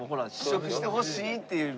試食してほしいっていう目で。